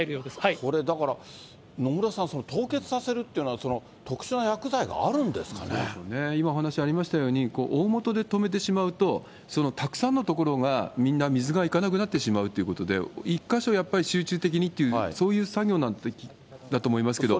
これ、だから、野村さん、凍結させるっていうのは、今、お話ありましたように、おおもとで止めてしまうと、たくさんのところがみんな水が行かなくなってしまうということで、１か所やっぱり集中的にっていう、そういう作業だと思いますけれども。